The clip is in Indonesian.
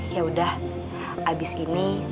yaudah abis ini